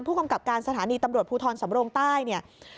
ผู้กำกับการสถานีตำรวจภูทรสำรงใต้เนี่ย